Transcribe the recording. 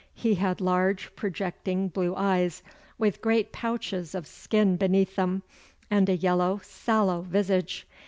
He had large projecting blue eyes, with great pouches of skin beneath them, and a yellow, sallow visage.